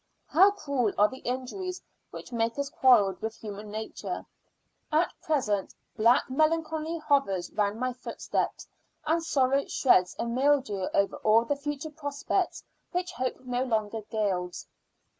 How cruel are the injuries which make us quarrel with human nature! At present black melancholy hovers round my footsteps; and sorrow sheds a mildew over all the future prospects, which hope no longer gilds.